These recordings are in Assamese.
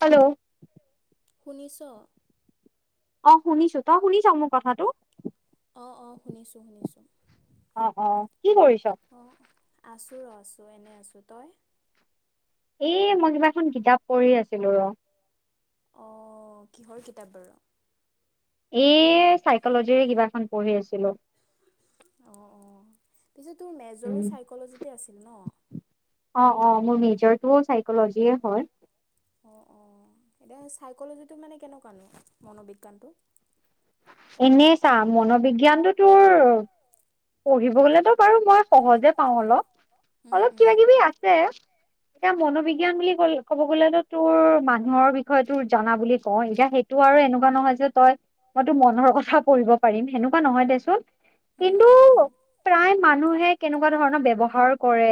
হেল্ল'। শুনিছোঁ। অ', শুনিছোঁ তই শুনিচ মোৰ কথাটো। অ', অ', শুনিছোঁ, শুনিছোঁ। অ', অ', কি কৰিছ? আছো ৰ' আছো এনে আছো তই? এ মই কিবা এখন কিতাপ পঢ়ি আছিলো ৰ। অ', কিহৰ কিতাপ বাৰু? এ চাইকলজিৰে কিবাখন পঢ়ি আছিলোঁ। অ', অ', পিছে তোৰ মেজৰো চাইকলজিতে আছিল ন। অ', অ', মোৰ মেজৰটো চাইকলজিয়ে হয়। অ', অ', এতিয়া চাইকলজিটো মানে কেনেকুৱানো মনোবিজ্ঞানটো। এনেই চা মনোবিজ্ঞানতটো তোৰ পঢ়িব গলেতো বাৰু মই সহজে পাওঁ, অলপ অলপ কিবা কিবি আছে। এতিয়া মনোবিজ্ঞান বুলি ক ক'ব গলে তোৰ মানুহৰ বিষয়ে তোৰ জানা বুলি কয় এতিয়া সেইটো আৰু এনেকুৱা নহয় যে তই মইতো মনৰ কথা পঢ়িব পাৰিম সেনেকুৱা নহয় দেচোন। কিন্তু প্ৰায় মানুহে কেনেকুৱা ধৰণৰ ব্যৱহাৰ কৰে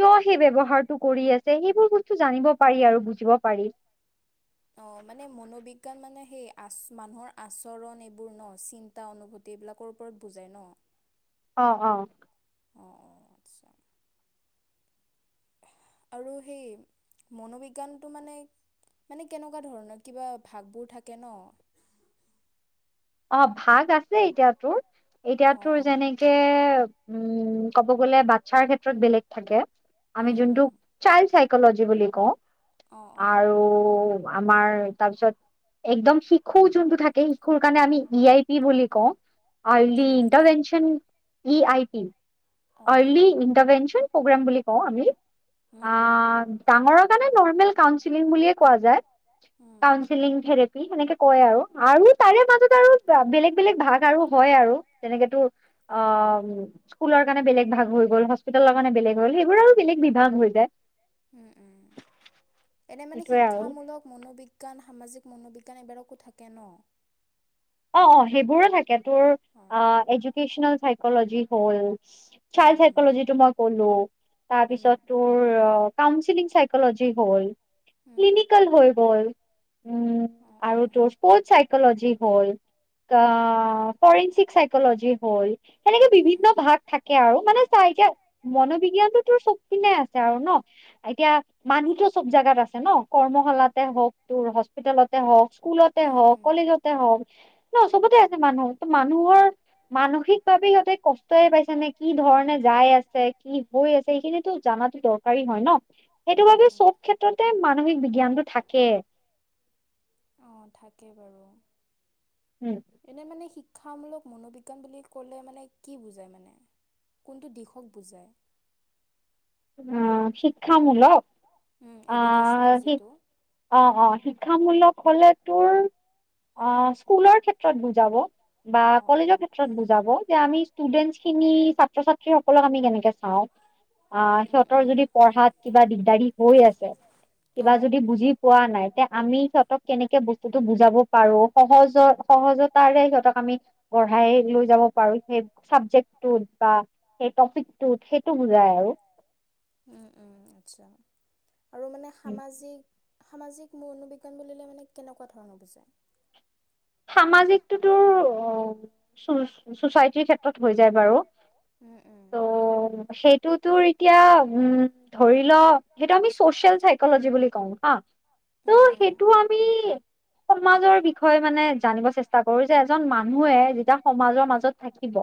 কিয় সেই ব্যৱহাৰটো কৰি আছে সেইবোৰ বস্তু জানিব অ', মানে মনোবিজ্ঞান মানে হেই আচ মানুহৰ আচৰণ এইবোৰ ন চিন্তা অনুভূতি এইবিলাকৰ ওপৰত বুজায় ন। অ', অ'। অ', অ', আচ্ছা। আৰু সেই মনোবিজ্ঞানটো মানে মানে কেনেকুৱা ধৰণৰ কিবা ভাগবোৰ থাকে ন। অ', ভাগ আছে এতিয়া তোৰ এতিয়া তোৰ যেনেকে উম কব গলে বাচ্ছাৰ ক্ষেত্ৰত বেলেগ থাকে আমি যোনটো চাইল চ চাইকলজি বুলি কওঁ আৰু আমাৰ তাৰপিছত একদম শিশু যোনটো থাকে শিশু মানে আমি ই আই পি বুলি কওঁ early intervention E I P. Early intervention প্ৰ'গ্ৰামৰ বুলি কওঁ আমি আ ডাঙৰক মানে নৰ্মেল কাউন্সিল বুলি কোৱা যায়, কাউন্সিল ঠেৰেপি সেনেকে কয় আৰু তাৰে মাজত আৰু বেলেগ বেলেগ ভাগ আৰু হয় আৰু যেনেকে তোৰ স্কুল কাৰণে বেলেগ ভাগ হৈ গল হস্পিতালৰ কাৰণেলেগ হ'ল এইবোৰৰ আৰু বেলেগ বিভাগ হৈ যায়। উম, উম এনে মানে শিক্ষামূলক মনোবিজ্ঞান সামাজিক মনোবিজ্ঞান এবাৰকো থাকে ন। অ', অ', ‌ সেইবোৰো থাকে তোৰ এডুকেচনেল চাইকজি হল চাইল চাইকলজিটো মই কলোঁ, তাৰ পিছত তোৰ অ, কাউন্চিলিং চাইকলজি হল ক্লিনিকেল হৈ গ'ল। উম, আৰু তোৰ স্পৰ্টচ চাইকলজি হ'ল অ', ফৰেন্সিক চাইকলজি হল তেনেকে বিভিন্ন ভাগ থাকে আৰু, মানে চা এতি মনোবিজ্ঞানতো তোৰ চব কনে আছে আৰু ন এতিয়া মানুহতটো চব জাগাত আছে ন ক কৰ্মশালাতে হওক তোৰ হস্পিতেলতে হওক স্কুলতে হওক কলেজতে হওক চবতে আছে মানুহ ত' মানুহৰ মানসিক তথাপি সিহঁতে কষ্টে পাইছে নে কি ধৰণে যাই আছে কি হৈ আছে এইখিনিতো জানাতো দৰকাৰী হয় ন'। সেইটো বাবে চব ক্ষেত্ৰতে মানসিক বিজ্ঞানটো থাকেই। অ', থাকে বাৰু, এনে মানে শিক ক্ষামূলক মনোবিজ্ঞান বুলি ক'লে মানে কি বুজাই মানে? কোনটো দিশক বুজায়? অ', শিক্ষামূলক। অ', শ অ', অ', শিক্ষামূলক হলে তোৰ অ', স্কুলৰ ক্ষেত্ৰত বুজাব। বা কলেজৰ ক্ষেত্ৰত বুজাব আমি ষ্টোদেন্তখিনি ছাত্ৰ-ছাত্ৰীসকলক আমি কেনেকে চাও অ', সিহঁতৰ যদি পঢ়াত কিবা দিগদাৰি হৈ আছে, কিবা যদি বুজি পোৱা নাই তে আমি সিহঁতক কেনেকে বস্তুতো বুজ যাব পাৰো সহজ-সহজতাৰে সিহতক আমি গঢ়াই লৈ যাব পাৰো, সেই [unintelligible] উম, উম, আচ্ছা। আৰু মানে সামাজিক সামাজিক মনোবিজ্ঞান বুলিলে মানে কেনেকুৱা ধৰণৰ বুজায়? সমাজিকটো তোৰ অ, সু-সুচাইটিৰ ক্ষেত্ৰ হৈ যায় বাৰু, ত' সেই টো তোৰ এতিয়া উম, ধৰি ল সেইটো আমি চ চাইকজি বুলি কও হা। ত' সেইটো আমি সমাজৰ বিষয়ে মানে জানিব চেষ্টা কৰো যে এজন মানুহে যেতিয়া সমাজৰ মাজত থাকিব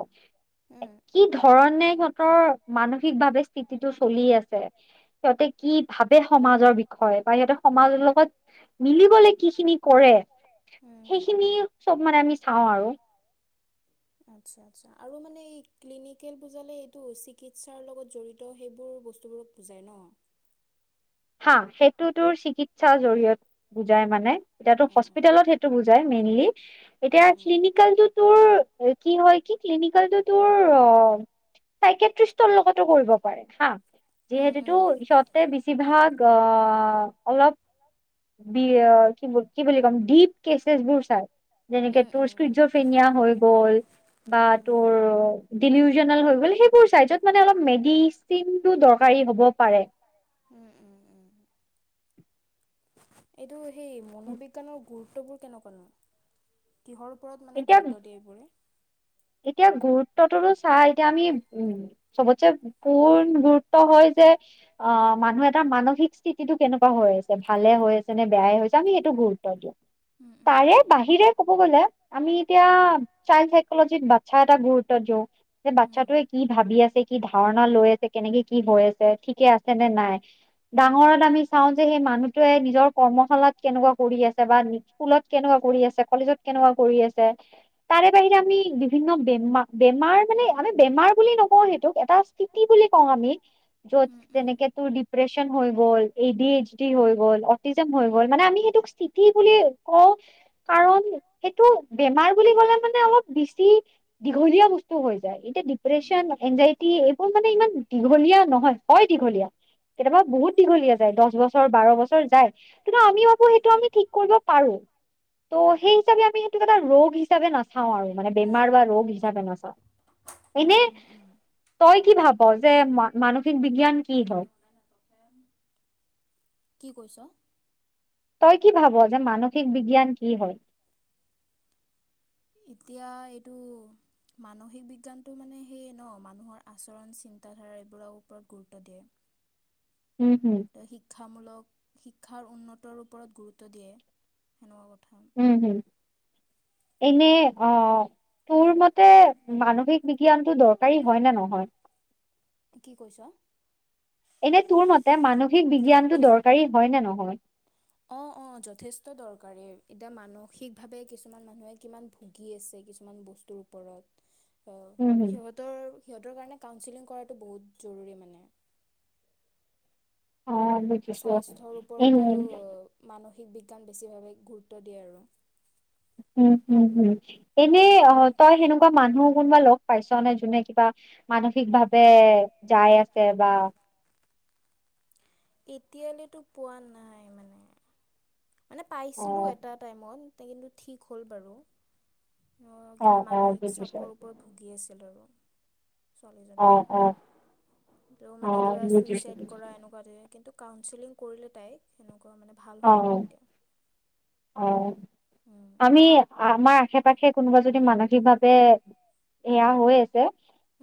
কি ধৰণে সিহঁতৰ মানসিকভাৱে স্থিতিটো চলি আছে সিহতে কি ভাবে সমাজৰ বিষয়ে বা সিহঁতে সমাজৰ লগত মিলিবলে কি খিনি কৰে সেইখিনি চব মানে আমি চাওঁ আৰু। [inaudible] আছা আছা আৰু মানে এই ক্লিনিকেল বুজালে এইটো চিকিৎসাৰ লগত জড়িত সেইবোৰ বস্তু বোৰক বুজাই ন'? হা সেইটোতো চিকিৎসাৰ জৰিয়ত বুজাই মানে, এতিয়াতো হস্পিতেলত সেইটো বুজাই মেইনলি। এতিয়া ক্লিনিকেলটো তোৰ কি হয় কি ক্লিনিকেলটো তোৰ অ, চাইকত্ৰিশৰ লগতো কৰিব পাৰে হা, যিহেতুটো সহতে বেছিভাগ অ, অলপ বি কি-কি বুলি ক'ম ডিপ কেচছ বোৰ চাই। যেনেকে তোৰ স্কিজফনিয়া হৈ গ'ল বা তোৰ [unintelligible] হৈ গ'ল সেইবোৰ [unintelligible] মানে অলপ মেডিচিনটো দৰকাৰী হ'ব পাৰে। এইটো সেই মনোবিজ্ঞানৰ গুৰুত্ববোৰ কেনেকুৱা নো? কিহৰ ওপৰত মানে গুৰুত্ব দিয়ে এইবোৰে? তোহতা‌ তো চাই এতিয়া আমি উ চবতচে পূৰ্ণ গুৰুত্ব হয় যে অহ, মানুহ এটাৰ মানসিক স্থিতিতটো কেনেকুৱা হৈ আছে ভালে হৈ আছে নে বেয়াই হৈছে আমি সেইটো গুৰুত্ব দিওঁ। তাৰে বাহিৰে ক'ব গ'লে এতিয়া চাইল্ড চাইকলজিত বাচ্ছা এটা গুৰুত্ব দিওঁ, যে বাচ্ছাতোৱে কি ভাবি আছে কি ধাৰণা লৈ আছে, কেনেকে কি হৈ আছে, ঠিকে আছে নে নাই ডাঙৰত আমি চাও যে সেই মানুহটোৱে নিজৰ কৰ্মশালাত কেনেকুৱা কৰি আছে বা স্কুলত কেনেকুৱা কৰি আছে, কলেজত কেনেকুৱা তাৰে বাহিৰে আমি বিভিন্ন বেমাৰ বেমাৰ মানে আমি বেমাৰ বুলি নকওঁ সেইটো এটা স্থিতি বুলি কওঁ আমি, যত যেনেকে তোৰ ডিপ্ৰচন হৈ গ'ল, এদি এইচি হৈ গ'ল, অটি হৈ গ'ল মানে আমি সেইটোক স্থিতি বুলি কওঁ কাৰণ সেইটো বেমাৰ বুলি ক'লে মানে অলপ বেছি দীঘলীয়া বস্তু হৈ যায়। এতিয়া ডিপ্ৰচন এনজাইটি এইবোৰ মানে ইমান দীঘলীয়া নহয়, হয় দীঘলীয়া কেতিয়াবা বহুত দীঘলীয়া যায়, দহ বছৰ বাৰ বছৰ যায়। কিন্তু আমিও সেইটো আমি ঠিক কৰিব পাৰো। ত আমি সেইটোক এটা ৰোগ হিচাপে নাচাও আৰু, মানে বেমাৰ বা ৰোগ হিচাপে নাচাও। এনে তই কি ভাব? যে মানসিক বিজ্ঞান কি হয়? [unintelligible] তই কি ভাব যে মানসিক বিজ্ঞান কি হয়? এতিয়া এইটো মানসিক বিজ্ঞানটো মানে সেয়ে ন মানুহৰ আচৰণ চিন্তাধাৰা এইবোৰৰ ওপৰত গুৰুত্ব দিয়ে। শিক্ষামূলক শিক্ষাৰ উন্নতৰ ওপৰত গুৰুত্ব দিয়ে সেনেকুৱা কথা। হম হম। এনে অ তোৰ মতে মানসিক বি টো দৰকাৰী হয় নে নহয়? এনে তোৰ মতে মানসিক বিজ্ঞানটো দৰকাৰী হয় নে নহয়? অ অ যথেষ্ট দৰকাৰী। এতিয়া মানসিক ভাৱে কিছুমান মানুহে কিমান ভুগি আছে, কিছুমান বস্তু ওপৰত। সিহঁতৰ-সিহঁতৰ কাৰণে কাউচেলিং কৰাটো বহুত জৰুৰী মানে। স্বাস্থ্যৰ ওপৰতো মানিক বিজ্ঞান বেছিভাৱে গুৰুত্ব দিয়ে আৰু। হম-হম-হম এনে অ তই হেনে এনেকুৱা মানুহ কোনোবা লগ পাইছ নে, যোনে কিবা মানসিক ভাৱে যাই আছে বা এতিয়ালৈতো পোৱা নাই মানে। মানে পাইছিলোঁ এটা টাইমত কিন্তু ঠিক হ'ল বাৰু। কিবা মানসিক চাপৰ ওপৰত ভুগি আছিল আৰু। ছোৱালজনী ত মানে কিবা চুইচাই কৰা এনেকুৱা কিন্তু কাউচেলিং কৰিলে তাইক, সেনেকুৱা মানে ভাল হ'ল আৰু। অ আমি আমাৰ আখে কোনোবা যদি মানসিক ভাৱে সয়া হৈ আছে,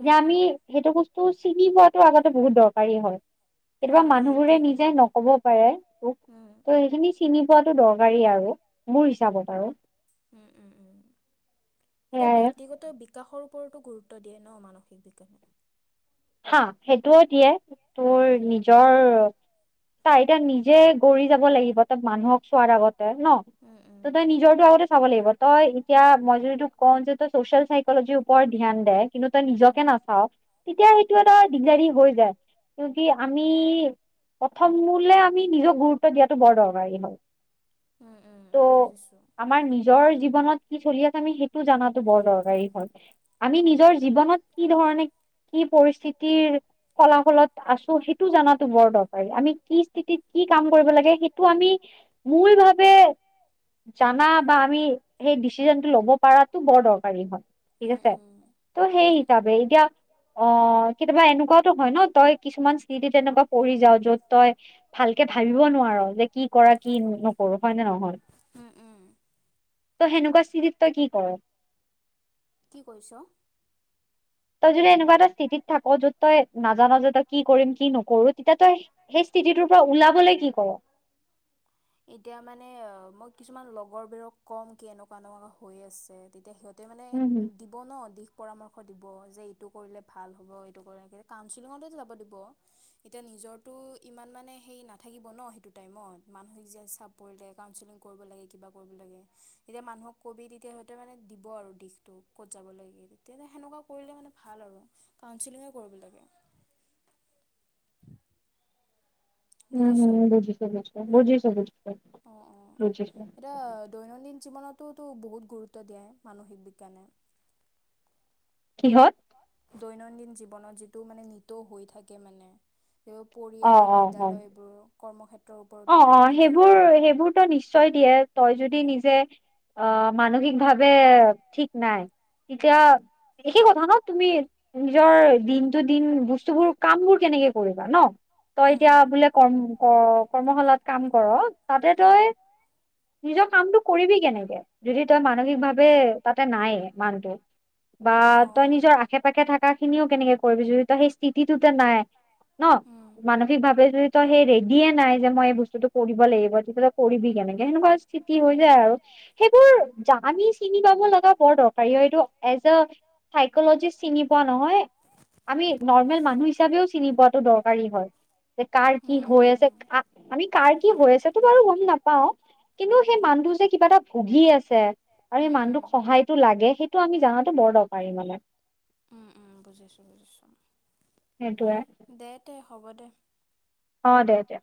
এয়া আমি সেইটো বস্তু তো চিনি পোৱাটো আগতে বহুত দৰকাৰেই হয়। কেতিয়াবা মানুহবোৰে নিজে নকব পাৰে খিনি চিনি পোৱাতটো দৰকাৰী আৰু, মোৰ হিচাপত আৰু। উম-উম এতিয়া ব্যক্তিগত বিকাশৰ ওপৰতো গুৰুত্ব দিয়ে ন মানসিক বিজ্ঞানে। হা সেইটোও দিয়ে তোৰ নিজৰ তাই এতিয়া নিজে গৰি যাব লাগিব তই মানুহক চোৱাৰ আগতে ন, ত তই নিজৰটো আগতে চাব লাগিব। তই এতিয়া মই য ত কওঁ যে তই চচিল চাইকজিৰ ওপৰত ধ্যান দে, কিন্তু তই নিজকে নাচাও, তেতিয়া এইটো এটা দিদাৰী হৈ যায়। কি আমি প্ৰথমলে আমি নিজক গুৰুত্ব দিয়াটো বৰ দৰকাৰী হয়। ত' আমাৰ নিজৰ জীৱনত। কি চলি আছে আমি সেইটো জানাতো বোৰ দৰকাৰী হয়। আমি নিজৰ জীৱনত কি ধৰণে কি পৰিস্থিতিৰ। ফলাফলত আছোঁ সেইটো জানাটো বৰ দৰকাৰী আমি কি স্থিতিত কি কাম কৰিব লাগে সেইটো আমি। মূল ভাবে। জানা বা আমি সেই ডিচিজনটো ল'ব পাৰাটো বৰ দৰকাৰী হয় ঠিক আছে। তো সেই হিচাপে এতিয়া অ। কেতিয়াবা এনেকুৱাতো হয় নহ তই কিছুমান স্থিতিত এনেকুৱা পৰি যাওঁ য'ত তই ভালকে ভাৱিব নোৱাৰোঁ। যে কি কৰা কি নকৰো হয় নে নহয়। উম উম। টো সেনেকুৱা স্থিতিত তই কি কৰোঁ। [inaudible] তই যদি এনেকুৱা এটা স্থিতিত থাকোঁ য'ত তই নাজানোঁ যে তই কি কৰিম কি নকৰোঁ তেতিয়া তই সেই। স্থিতিটোৰ পৰা ওলাবলৈ কি কৰোঁ। [inaudible] এতিয়া মানে মই কিছুমান লগৰবোৰক কম কি এনেকুৱা এনেকুৱা হৈ আছে তেতিয়া সিহঁত [unintelligible] মানে দিব নহ দিশ পৰামৰ্শ দিব যে এইটো কৰিলে ভাল হ'ব এইটো কৰি কাউন্সিলিঙ যাব দিব এতিয়া নিজ নিজৰটো ইমান মানে সেই নাথাকিব নহ সেইটো টাইমত মানু নিজে চাপোৰ্ট দিয়ে কাউনচেলিঙ কৰিব লাগে কিবা কৰিব লাগে এতিয়া মানুহক কবি তেতিয়া সিহঁতে মানে দিব। আৰু দিশটো ক'ত যাব লাগে তেতিয়া সেনেকুৱা কৰিলে মানে ভাল আৰু কাউঞ্চিলিঙে কৰিব লাগে। [inaudible] উম হুম বুজিছোঁ বুজিছোঁ বুজিছোঁ বুজিছোঁ। অ অ এতিয়া দৈনন্দিন জীৱনত। [unintelligible] বহুত গুৰুত্ব দিয়ে মানসিক বিজ্ঞানে। কিহত। দৈনন্দিন জীৱনত যিটো মানে নিতৌ হৈ থাকে মানে। এই পৰিয়াল বিদ্যালয় এইবোৰ কৰ্মক্ষে অ অ সেইবোৰ সেইবোৰটো নিশ্চয় দিয়ে তই যদি নিজে। অ মানসিক ভাৱে ঠিক নাই। তেতিয়া একেই কথা নহ তুমি নিজৰ দিনটো দিন বস্তুবোৰ কাম বোৰ কেনে। কে কৰিবা নহ। তই এতিয়া বোলে কৰ্ম ক-কৰ্মশালাত কাম কৰোঁ তাতে তই। নিজৰ কামটো কৰিবি কেনেকে যদি তই মানসিক ভাৱে তাতে নাইয়ে মানটো। বা তই নিজৰ আশে-পাশে থকা খিনিও কেনেকে কৰিবি যদি তই সেই স্থিতিটোতে নাই। নহ মানসিক ভাৱে যদি তই সেই ৰেডিয়ে নাই যে মই এই বস্তুটো কৰিব লাগিব। [unintelligible] কৰিবি কেনেকে সেনেকুৱা স্থিতি হৈ যায় আৰু সেইবোৰ জানি চিনি পাব লগা বৰ দৰকাৰ। [unintelligible] এইটো এজ আ চাইকোলজিষ্ট চিনি পোৱা নহয়। আমি নৰ্মেল মানুহ হিচাপেও চিনি পোৱাটো দৰকাৰী হয় যে কাৰ কি হৈ আছে। আমি কাৰ কি হৈ আছেতো বাৰু গম নাপাওঁ। কিন্তু সেই মানুহটো যে কিবা এটা ভুগি আছে আৰু সেই মানুহটোক সহায়টো লাগে সেইটো আমি জানাতো। বৰ দৰকাৰী মানে। উম উম বুজিছোঁ বুজিছোঁ। সেইটোৱে। হ'ব দে। অ দে দে।